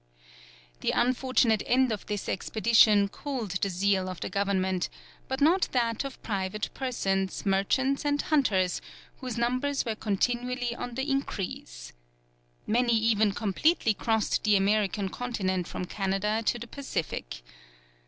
The unfortunate end of this expedition cooled the zeal of the government, but not that of private persons, merchants, and hunters, whose numbers were continually on the increase. Many even completely crossed the American continent from Canada to the Pacific.